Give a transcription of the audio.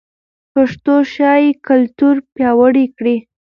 پښتو ښايي کلتور پیاوړی کړي.